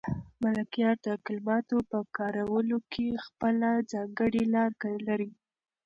ملکیار د کلماتو په کارولو کې خپله ځانګړې لار لري.